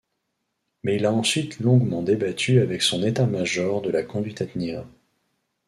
Mais il a ensuite longuement débattu avec son état-major de la conduite à tenir.